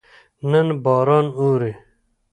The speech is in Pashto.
نن باران اوري